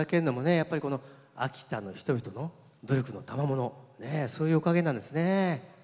やっぱり秋田の人々の努力のたまものそういうおかげなんですね。